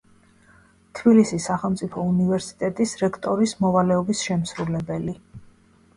თბილისის სახელმწიფო უნივერსიტეტის რექტორის მოვალეობის შემსრულებელი.